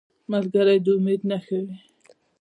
ملګری د امید نښه وي